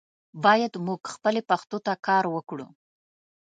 باید مونږ خپلې پښتو ته کار وکړو.